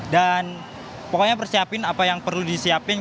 dan pokoknya persiapin apa yang perlu disiapin